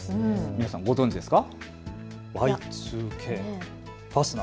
皆さん、ご存じですか。